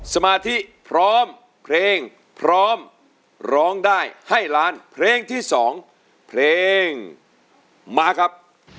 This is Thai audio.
สมาธิพร้อมเพลงพร้อมร้องได้ให้ล้านเพลงที่๒เพลงมาครับ